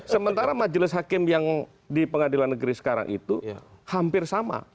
sementara majelis hakim yang di pengadilan negeri sekarang itu hampir sama